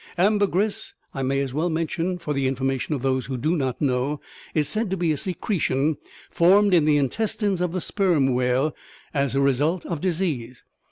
Ambergris I may as well mention, for the information of those who do not know is said to be a secretion formed in the intestines of the sperm whale, as a result of disease.